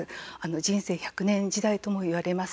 人生１００年時代ともいわれます。